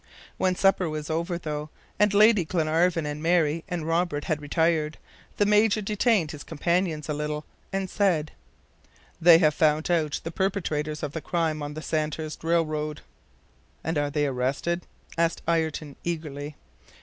When supper was over, though, and Lady Glenarvan, and Mary, and Robert had retired, the Major detained his companions a little, and said, "They have found out the perpetrators of the crime on the Sandhurst railroad." "And are they arrested?" asked Ayrton, eagerly.